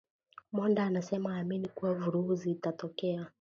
Monda anasema haamini kuwa vurugu zitatokea